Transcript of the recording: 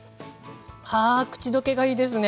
あ口溶けがいいですね。